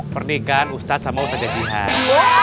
pernihan ustadz sama ustadz jadjihad